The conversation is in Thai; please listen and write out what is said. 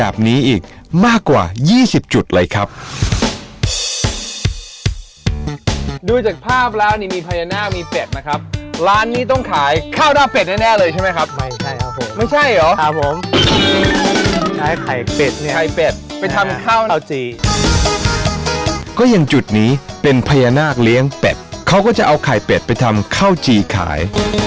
ผมขอชิมได้มั้ยน่ากินมากเลย